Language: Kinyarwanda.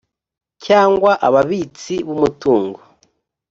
cyangwa ababitsi b umutungo